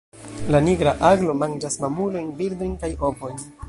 La Nigra aglo manĝas mamulojn, birdojn kaj ovojn.